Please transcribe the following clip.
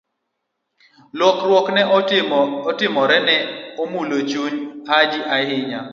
Lokruok ma ne otimoreno ne omulo chuny Haji ahinya.